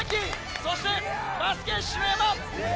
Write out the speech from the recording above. そしてバスケ篠山！